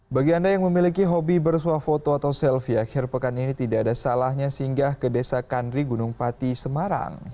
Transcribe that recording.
bagi anda yang memiliki hobi bersuah foto atau selfie akhir pekan ini tidak ada salahnya singgah ke desa kandri gunung pati semarang